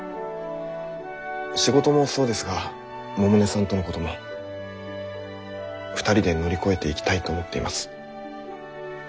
仕事もそうですが百音さんとのことも２人で乗り越えていきたいと思っています。